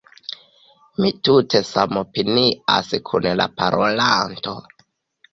Mi tute samopinias kun la parolanto.